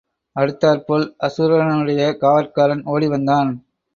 அடுத்தாற்போல், அசுரனுடைய காவற்காரன் ஓடி வந்தான்.